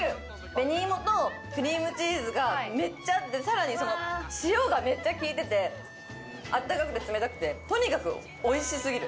紅芋とクリームチーズがめっちゃあって、さらに塩がめっちゃ効いてて、あったかくて冷たくて、とにかく美味しすぎる。